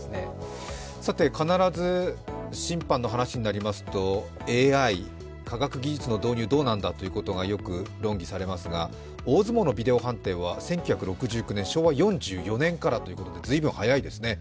さて、必ず審判の話になりますと、ＡＩ、科学技術の導入はどうなんだということがよく論議されますが、大相撲のビデオ判定は１９６９年昭和４４年からということで早かったですね。